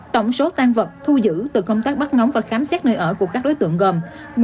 tổng số tan vật thu giữ từ công tác bắt ngóng và khám xét nơi ở của các đối tượng gồm